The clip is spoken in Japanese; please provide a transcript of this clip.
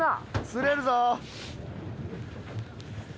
釣れるぞ。